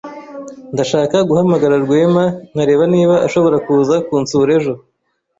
Ndashaka guhamagara Rwema nkareba niba ashobora kuza kunsura ejo.